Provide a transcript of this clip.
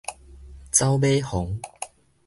走馬癀